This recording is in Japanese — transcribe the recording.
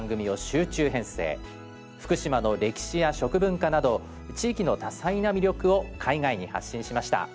福島の歴史や食文化など地域の多彩な魅力を海外に発信しました。